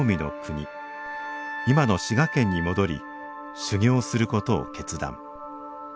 今の滋賀県に戻り修行することを決断。